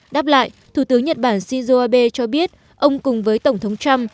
đáp lại thủ tướng nhật bản shinzo abe cho biết ông cùng với tổng thống trump